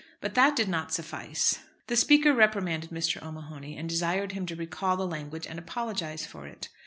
But that did not suffice. The Speaker reprimanded Mr. O'Mahony and desired him to recall the language and apologise for it.